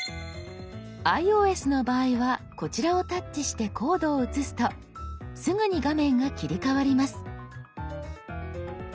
ｉＯＳの場合はこちらをタッチしてコードを写すとすぐに画面が切り替わります。